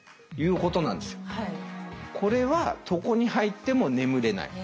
これは床に入っても眠れない。